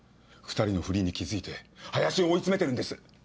２人の不倫に気付いて林を追い詰めてるんです。